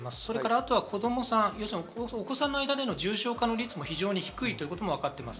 あと子供さん、お子さんの間での重症化の率も低いということもわかっています。